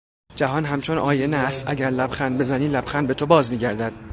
جهان همچون آینه است; اگر لبخند بزنی لبخند به تو باز میگردد.